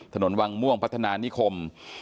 ถนนม่วงพัฒนานิคอล์